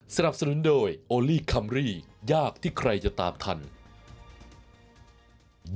สนับสนุนโดยโอลี่คัมรี่ยากที่ใครจะตามทัน